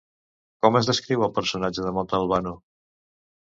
Com es descriu el personatge de Montalbano?